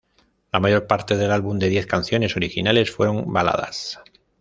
La mayor parte del álbum de diez canciones originales fueron baladas.